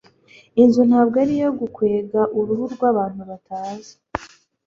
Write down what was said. inzu ntabwo ari iyo gukwega uruhu rwabantu batazi